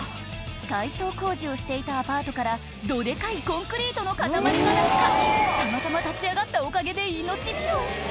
改装工事をしていたアパートからどデカいコンクリートの塊が落下たまたま立ち上がったおかげで命拾い